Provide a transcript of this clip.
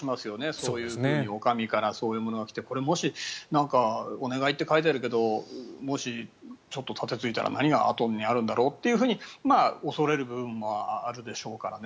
そういうふうにお上からそういうものが来てもし、お願いと書いてあるけどもしちょっとたてついたら何があとにあるんだろうと恐れる部分もあるでしょうからね。